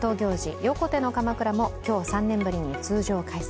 横手のかまくらも今日３年ぶりに通常開催。